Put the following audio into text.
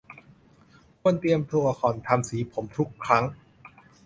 ควรเตรียมตัวก่อนทำสีผมทุกครั้ง